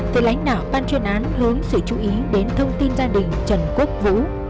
thì lãnh đạo ban chuyên án hướng sự chú ý đến thông tin gia đình trần quốc vũ